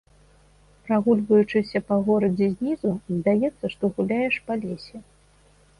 Прагульваючыся па горадзе знізу, здаецца, што гуляеш па лесе.